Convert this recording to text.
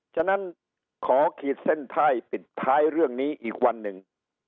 ฉะนั้นขอขีดเส้นไพ่ปิดท้ายเรื่องนี้อีกวันหนึ่ง